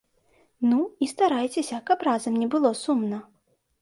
Ну і старайцеся, каб разам не было сумна.